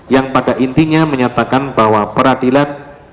yang pada intinya menyatakan bahwa peradilan